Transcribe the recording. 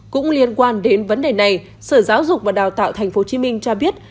cũng liên quan đến vấn đề này sở giáo dục và đào tạo tp hcm cho biết